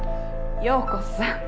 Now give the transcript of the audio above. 葉子さん。